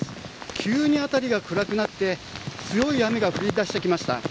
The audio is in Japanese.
急に辺りが暗くなって強い雨が降り出してきました。